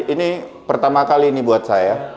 ini pertama kali ini buat saya